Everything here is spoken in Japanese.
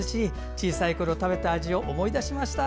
小さいころ食べた味を思い出しました。